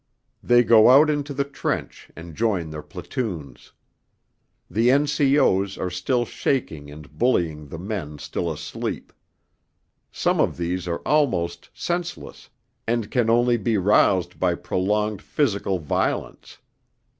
They go out into the trench and join their platoons. The N.C.O.'s are still shaking and bullying the men still asleep; some of these are almost senseless, and can only be roused by prolonged physical violence.